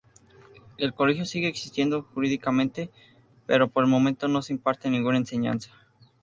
El colegio sigue existiendo jurídicamente, pero por el momento no se imparte ninguna enseñanza.